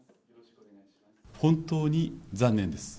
本当に残念です。